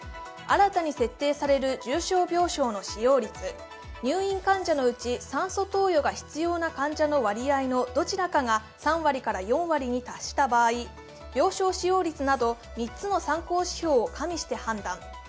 新たに設定される病床病床の使用率、入院患者のうち酸素投与が必要な患者の割合のどちらかが３割から４割に達した場合、病床使用率など３つの参考指標を加味して判断。